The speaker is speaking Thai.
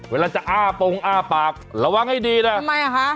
เวลาจะอ้าปงอ้าปากระวังให้ดีนะทำไมอ่ะคะ